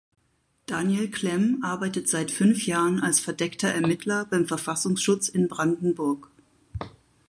Daniel Klemm arbeitet seit fünf Jahren als verdeckter Ermittler beim Verfassungsschutz in Brandenburg.